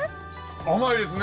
甘いですね。